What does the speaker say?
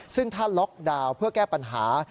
ซึ่งถ้าล็อกดาวน์เพื่อแก้ปัญหา